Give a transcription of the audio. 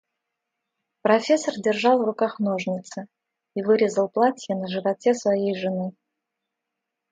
Профессор держал в руках ножницы и вырезал платье на животе своей жены.